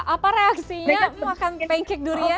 apa reaksinya makan pancake durian